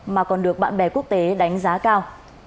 mà còn được bạn bè quốc tế đánh giá cao